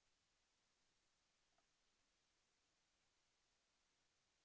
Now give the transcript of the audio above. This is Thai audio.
โอเคโอเคโอเค